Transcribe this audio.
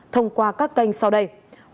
thông qua các kênh sau đây